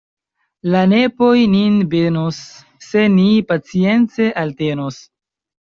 La nepoj nin benos se ni pacience eltenos!